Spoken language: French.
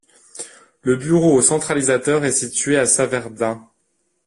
Le bureau centralisateur est situé à Saverdun.